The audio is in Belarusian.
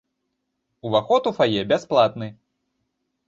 Уваход у фае бясплатны.